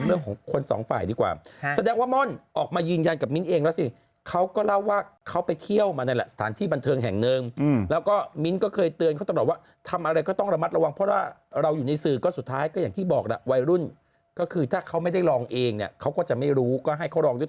เรื่องของคนสองฝ่ายดีกว่าแสดงว่าม่อนออกมายืนยันกับมิ้นเองแล้วสิเขาก็เล่าว่าเขาไปเที่ยวมาในแหละสถานที่บันเทิงแห่งหนึ่งแล้วก็มิ้นก็เคยเตือนเขาตลอดว่าทำอะไรก็ต้องระมัดระวังเพราะว่าเราอยู่ในสื่อก็สุดท้ายก็อย่างที่บอกล่ะวัยรุ่นก็คือถ้าเขาไม่ได้ลองเองเนี่ยเขาก็จะไม่รู้ก็ให้เขาลองด้วย